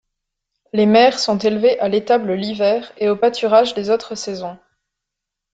Les mères sont élevées à l'étable l'hiver et au pâturage les autres saisons.